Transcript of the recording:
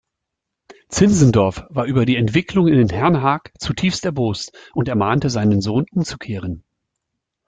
Zinzendorf war über die Entwicklungen in Herrnhaag zutiefst erbost und ermahnte seinen Sohn umzukehren.